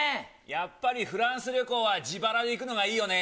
やっぱりフランス旅行は自腹で行くのがいいよね。